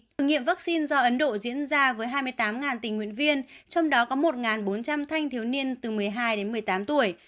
thử nghiệm vaccine do ấn độ diễn ra với hai mươi tám tình nguyện viên trong đó có một bốn trăm linh thanh thiếu niên từ một mươi hai đến một mươi tám tuổi